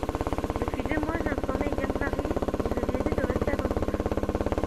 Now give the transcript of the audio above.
Depuis des mois j'ai informé Yann-Vari, et je lui ai dit de rester attentif.